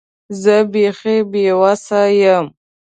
زه بیخي بې وسه یم .